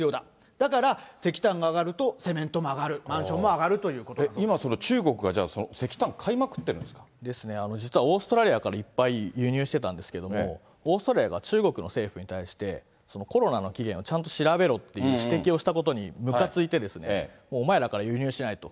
だから、石炭が上がると、セメントも上がる、マンションも上がる今、それ、中国が石炭、買いですね、実はオーストラリアからいっぱい輸入してたんですけれども、オーストラリアが中国の政府に対して、コロナの起源をちゃんと調べろという指摘をしたことにむかついて、もう、お前らから輸入しないと。